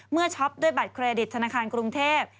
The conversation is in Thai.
ช็อปด้วยบัตรเครดิตธนาคารกรุงเทพ